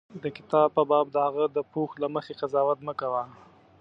د کتاب په باب د هغه د پوښ له مخې قضاوت مه کوه.